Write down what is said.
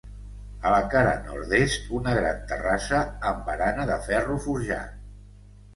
A la cara nord-est, una gran terrassa, amb barana de ferro forjat.